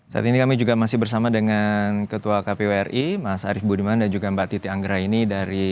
saat ini kami juga masih bersama dengan ketua kpu ri mas arief budiman dan juga mbak titi anggraini